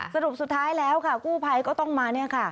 สรุปสุดท้ายแล้วค่ะกู้ภัยก็ต้องมาเนี่ยค่ะ